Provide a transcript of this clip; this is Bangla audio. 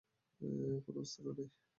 কোনো অস্ত্র নেই।